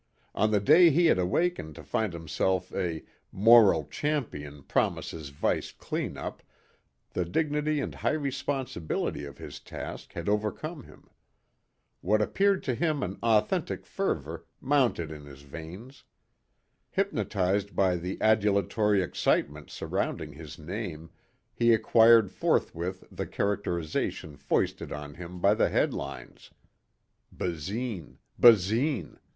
On the day he had awakened to find himself a "Moral Champion Promises Vice Clean up" the dignity and high responsibility of his task had overcome him. What appeared to him an authentic fervor mounted in his veins. Hypnotized by the adulatory excitement surrounding his name, he acquired forthwith the characterization foisted on him by the headlines. Basine ... Basine